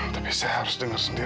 tapi saya harus dengar sendiri